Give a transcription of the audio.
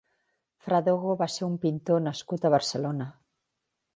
Fradogo va ser un pintor nascut a Barcelona.